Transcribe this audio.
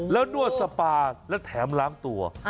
แล้วนวดสปาและแถมล้างตัว